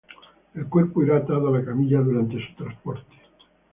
El cuerpo irá atado a la camilla durante su transporte.